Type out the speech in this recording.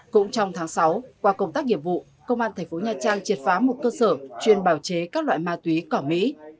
cũng trong tháng sáu qua công tác nghiệp vụ công an thành phố nha trang triệt phá một cơ sở chuyên bào chế các loại ma túy cỏ mỹ